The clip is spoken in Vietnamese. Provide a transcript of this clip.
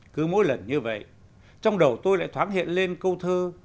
cứ mỗi lần như vậy trong đầu tôi lại thoáng hiện lên câu thơ